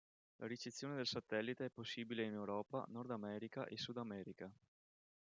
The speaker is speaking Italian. La ricezione del satellite è possibile in Europa, Nordamerica e Sudamerica.